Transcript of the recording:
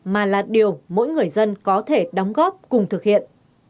mà là điều mỗi người dân có thể đóng góp cùng thực hiện